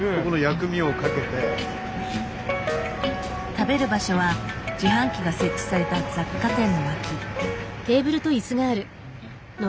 食べる場所は自販機が設置された雑貨店の脇。